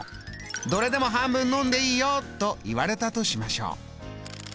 「どれでも半分飲んでいいよ」と言われたとしましょう。